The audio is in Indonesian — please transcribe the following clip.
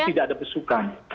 karena tidak ada pesukan